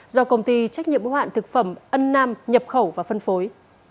do công ty trách nhiệm ưu hạn thực phẩm ân nam nhập khẩu và phân phối